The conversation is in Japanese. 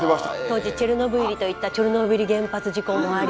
当時チェルノブイリと言ったチョルノービリ原発事故もあり。